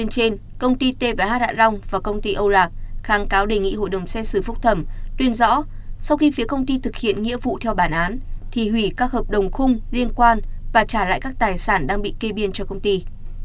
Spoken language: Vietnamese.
trên công ty tvh hạ long và công ty âu lạc kháng cáo đề nghị hội đồng xét xử phúc thẩm tuyên rõ sau khi phía công ty thực hiện nghĩa vụ theo bản án thì hủy các hợp đồng khung liên quan và trả lại các tài sản đang bị kê biên cho công ty